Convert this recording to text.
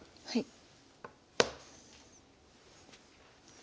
はい。